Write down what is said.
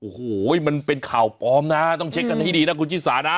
โอ้โหมันเป็นข่าวปลอมนะต้องเช็คกันให้ดีนะคุณชิสานะ